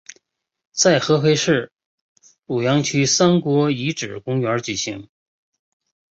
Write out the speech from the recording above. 在合肥市庐阳区三国遗址公园举行。